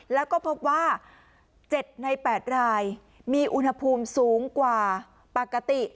แล้วก็พบว่า๗ใน๘รายมีอุณหภูมิสูงกว่าปกติ